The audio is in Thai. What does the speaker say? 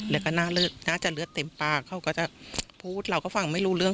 แล้วก็น่าจะเลือดเต็มปากเขาก็จะพูดเราก็ฟังไม่รู้เรื่อง